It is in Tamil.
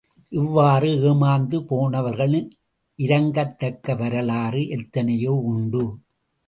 இவ்வாறு ஏமாந்து போனவர்களின் இரங்கத்தக்க வரலாறு எத்தனையோ உண்டு.